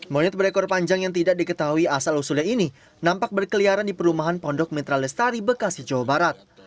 monyet berekor panjang yang tidak diketahui asal usulnya ini nampak berkeliaran di perumahan pondok mitra lestari bekasi jawa barat